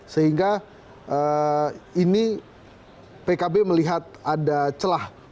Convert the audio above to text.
sehingga ini pkb melihat ada celah